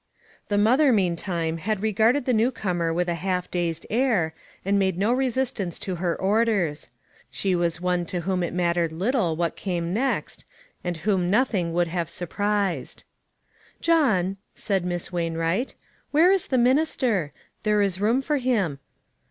The mother, meantime, had regarded the new comer with a half dazed air, and made no resistance to her orders. She was as one to whom it mattered little what came next, and whom nothing would have surprised. "John," said Miss Wainwright, "where is the minister? There is room for him."